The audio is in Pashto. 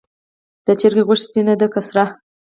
د چرګ غوښه سپینه ده که سره؟